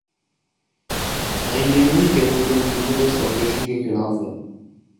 میں یہ نہیں کہتا کہ حکومت اس آپریشن کے خلاف ہے۔